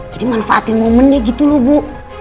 jadi manfaatin momennya gitu loh bu